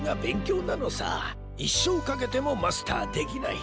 いっしょうかけてもマスターできない。